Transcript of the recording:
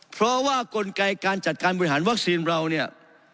เพราะว่ากลไกการจัดการบริหารวัคซีนเราเนี่ย